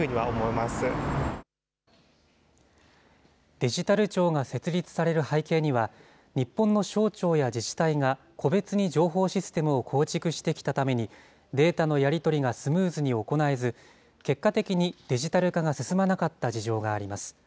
デジタル庁が設立される背景には、日本の省庁や自治体が、個別に情報システムを構築してきたために、データのやり取りがスムーズに行えず、結果的にデジタル化が進まなかった事情があります。